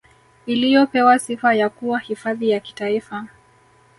Iliyopewa sifa ya kuwa hifadhi ya Kitaifa